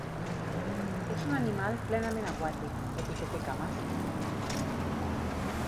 És un animal plenament aquàtic, tot i que té cames.